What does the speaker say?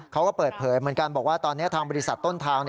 เขาก็เปิดเผยเหมือนกันบอกว่าตอนนี้ทางบริษัทต้นทาง